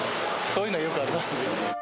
そういうのよくありますね。